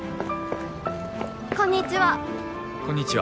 こんにちは。